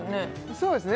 そうですね